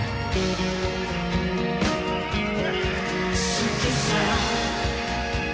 「好きさ」